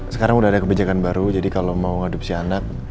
sekarang udah ada kebijakan baru jadi kalau mau ngadopsi anak